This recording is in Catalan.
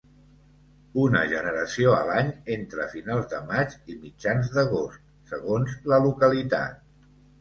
Una generació a l'any entre finals de maig i mitjans d'agost, segons la localitat.